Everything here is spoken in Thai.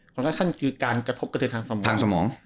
คอนแคชชั่นคือการกระทบกระเทียนทางสมองทางสมอง